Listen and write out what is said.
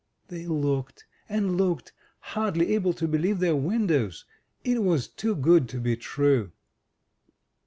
They looked and looked, hardly able to believe their windows. It was too good to be true!